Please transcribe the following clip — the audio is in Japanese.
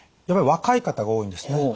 やっぱり若い方が多いんですね。